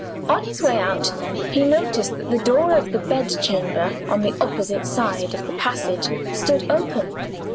On his way out, he noticed that the door of the bed chamber on the opposite side of the passage stood open.